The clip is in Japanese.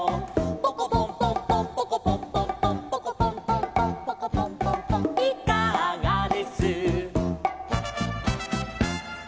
「ポコポンポンポンポコポンポンポン」「ポコポンポンポンポコポンポンポン」「いかがです」